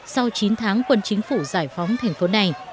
sau chín tháng quân chính phủ giải phóng thành phố này